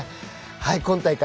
今大会